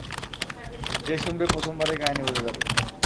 যে শুনবে প্রথমবারেই কাহিনি বুঝে যাবে।